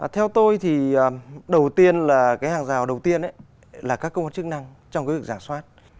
theo tôi thì hàng rào đầu tiên là các công hoạt chức năng trong việc giả soát